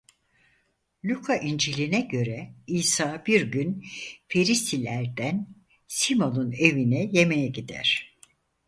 Luka İncili'ne göre İsa bir gün Ferisilerden Simun'un evine yemeğe gider.